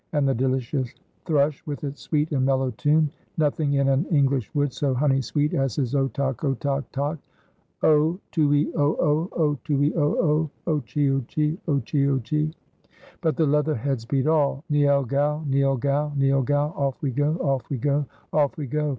And the delicious thrush with its sweet and mellow tune. Nothing in an English wood so honey sweet as his otock otock tock! o tuee o o! o tuee o o! o chio chee! o chio chee! But the leather heads beat all. Niel gow! niel gow! niel gow! off we go! off we go! off we go!